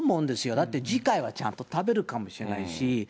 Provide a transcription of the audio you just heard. だって次回はちゃんと食べるかもしれないし。